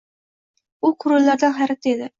U koʻrganlaridan hayratda edi